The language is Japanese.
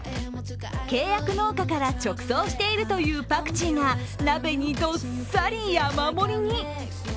契約農家から直送しているというパクチーが鍋にどっさり山盛りに。